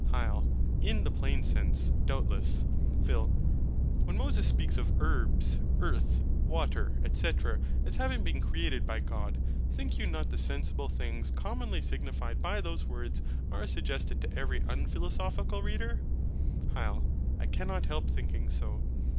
HYL. In the plain sense, doubtless. PHIL. When Moses speaks of herbs, earth, water, &c. as having been created by God; think you not the sensible things commonly signified by those words are suggested to every unphilosophical reader? HYL. I cannot help thinking so.